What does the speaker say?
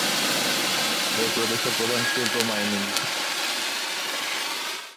এ প্রদেশের প্রধান শিল্প মাইনিং।